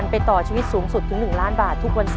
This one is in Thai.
เราเหลือหัวหนั้น